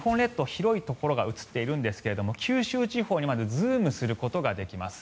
広いところが映っているんですが九州地方にまずズームすることができます。